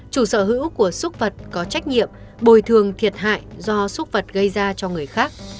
chủ sở hữu của xúc vật có trách nhiệm bồi thường thiệt hại do xúc vật gây ra cho người khác